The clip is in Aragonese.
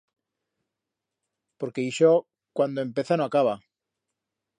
Porque ixo, cuando empeza no acaba.